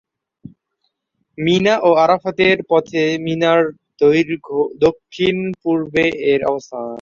মিনা ও আরাফাতের পথে মিনার দক্ষিণ পূর্বে এর অবস্থান।